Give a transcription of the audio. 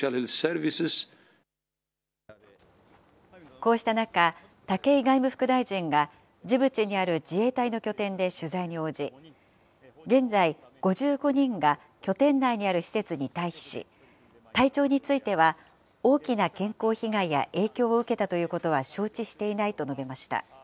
こうした中、武井外務副大臣がジブチにある自衛隊の拠点で取材に応じ、現在、５５人が拠点内にある施設に退避し、体調については大きな健康被害や影響を受けたということは承知していないと述べました。